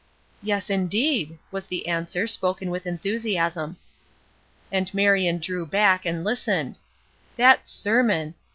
"Yes indeed!" was the answer, spoken with enthusiasm. And Marion drew back, and listened. That sermon!